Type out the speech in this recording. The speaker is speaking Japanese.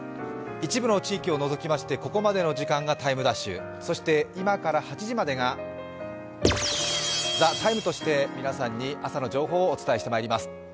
一部の地域を除きましてここまでの時間が「ＴＩＭＥ’」、そして、今から８時までが「ＴＨＥＴＩＭＥ，」として皆さんに朝の情報をお伝えしてまいります。